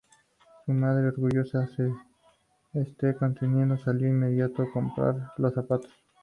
Su madre orgullosa de este acontecimiento, salió de inmediato a comprar los zapatos.